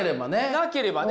なければね。